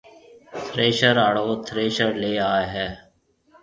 ٿريشر آݪو ٿريشر ليَ آئي هيَ۔